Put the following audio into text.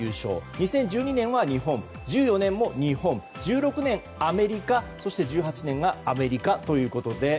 ２０１２年は日本１４年も日本１６年、アメリカそして１８年アメリカということで。